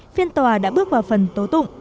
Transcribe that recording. phiên tòa đã bước vào phần tố tụng